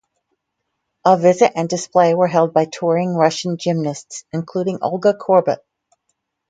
A visit and display were held by touring Russian gymnasts, including Olga Korbut.